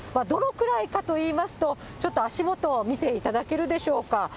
どのくらいかといいますと、ちょっと足元、見ていただけるでしょうか。